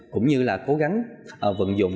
cũng như là cố gắng vận dụng